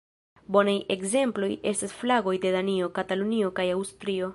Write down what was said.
Bonaj ekzemploj estas flagoj de Danio, Katalunio kaj Aŭstrio.